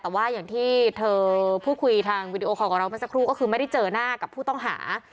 แต่ว่าอย่างที่เธอพูดคุยทางวิดีโอคอลกับเราเมื่อสักครู่ก็คือไม่ได้เจอหน้ากับผู้ต้องหา